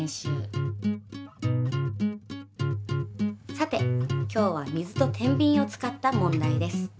さて今日は水とてんびんを使った問題です。